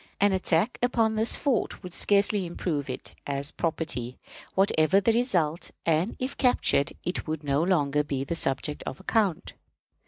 An attack upon this fort would scarcely improve it as property, whatever the result; and, if captured, it would no longer be the subject of account.